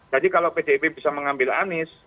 jadi kalau pdip bisa mengambil anis